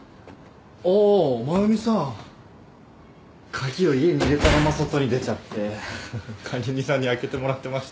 鍵を家に入れたまんま外に出ちゃって管理人さんに開けてもらってました。